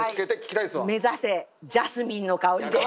目指せジャスミンの香りです。